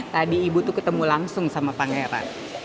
tadi ibu tuh ketemu langsung sama pangeran